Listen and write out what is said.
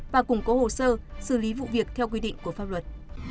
và củng cố hồ sơ xử lý vụ việc theo quy định của pháp luật